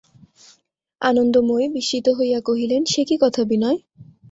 আনন্দময়ী বিস্মিত হইয়া কহিলেন, সেকি কথা বিনয়?